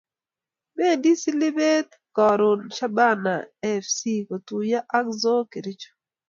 Bendi silibeet karon shabana fc kotuyo ak Zooo kericho